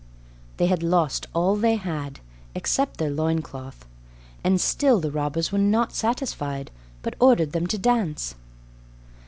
They had lost all they had, except their loin cloth, and still the robbers were not satisfied, but ordered them to dance.